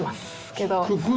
けど。